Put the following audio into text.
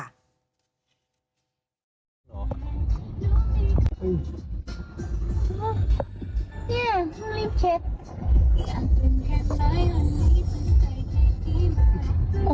เนี่ยรีบเช็ด